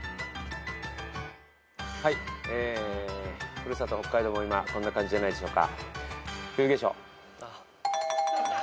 古里北海道も今こんな感じじゃないでしょうか。